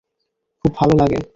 খুব ভালো লাগে।